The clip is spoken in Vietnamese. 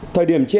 thời điểm trên